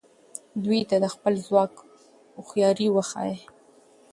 دوی ته د خپل ځواک هوښیاري وښایه.